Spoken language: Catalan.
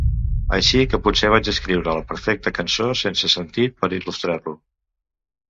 Així que potser vaig escriure la perfecta cançó sense sentit per il·lustrar-ho.